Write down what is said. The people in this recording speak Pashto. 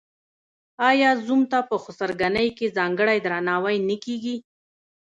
آیا زوم ته په خسرګنۍ کې ځانګړی درناوی نه کیږي؟